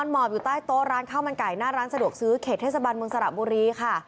หมอบอยู่ใต้โต๊ะร้านข้าวมันไก่หน้าร้านสะดวกซื้อเขตเทศบาลเมืองสระบุรีค่ะ